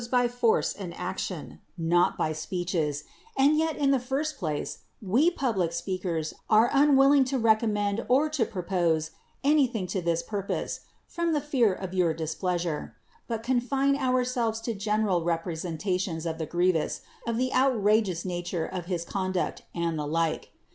S DEMOSTHENES by force and action, not by speeches ; and yet in the first place, we public speakers are unwill ing to recommend or to propose anything to this purpose, from the fear of your displeasure ; but confine ourselves to general representations of the grievous, of the outrageous nature of his conduct, and the like.